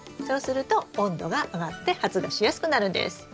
そうすると温度が上がって発芽しやすくなるんです。